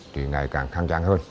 thì ngày càng khăng trang hơn